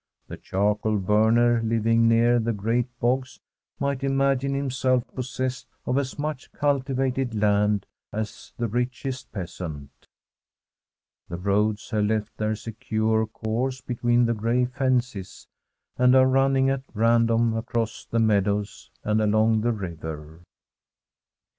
The charcoal burner living near the great bogs might imagine himself possessed of as much cultivated land as the richest peasant. The roads have left their secure course be tween the gray fences, and are running at random across the meadows and along the river.